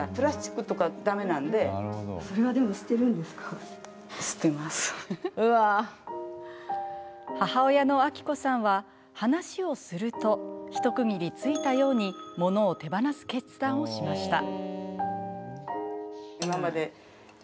昔、あの、保育園って母親のあきこさんは話をすると一区切りついたように物を手放す決断をしました。